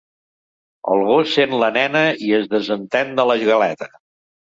El gos sent la nena i es desentén de la galeta.